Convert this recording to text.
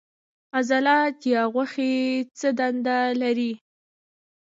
عضلات یا غوښې څه دنده لري